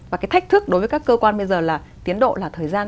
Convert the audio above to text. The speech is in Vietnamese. và cái thách thức đối với các cơ quan bây giờ là tiến độ là thời gian